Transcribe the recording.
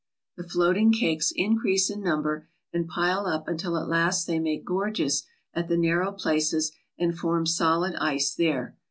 The floating cakes increase in number, and pile up until at last they make gorges at the narrow places and form solid ice there.